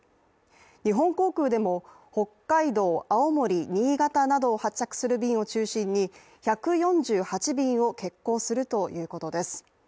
日本航空でも北海道、青森、新潟などを発着する便を中心に１４８便を欠航するということです。